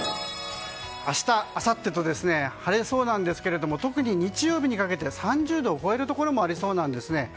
明日、あさってと晴れそうですが晴れそうなんですけど特に日曜日にかけて３０度を超えるところもありそうです。